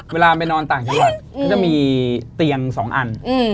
เวลาไปนอนต่างจังหวัดก็จะมีเตียง๒อัน